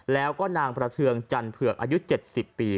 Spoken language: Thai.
แล้วก็นางประเทืองจันเผือกอายุ๗๐ปี